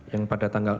yang pada tanggal enam